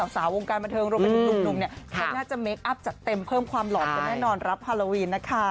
สาววงการบันเทิงรวมไปถึงหนุ่มเนี่ยน่าจะเมคอัพจัดเต็มเพิ่มความหลอนกันแน่นอนรับฮาโลวีนนะคะ